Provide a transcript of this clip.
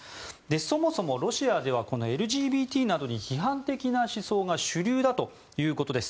そもそもロシアではＬＧＢＴなどに批判的な思想が主流だということです。